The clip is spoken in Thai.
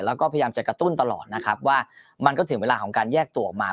แล้วก็พยายามจะกระตุ้นตลอดนะครับว่ามันก็ถึงเวลาของการแยกตัวออกมา